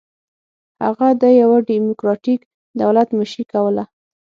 هغه د یوه ډیموکراټیک دولت مشري کوله.